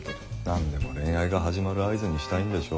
何でも恋愛が始まる合図にしたいんでしょう。